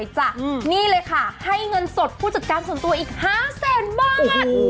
ต่อเลยจ้ะอืมนี่เลยค่ะให้เงินสดผู้จัดการส่วนตัวอีกห้าแสนบาทโอ้โห